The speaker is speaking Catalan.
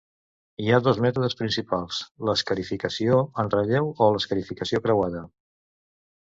Hi ha dos mètodes principals: l'escarificació en relleu i l'escarificació creuada.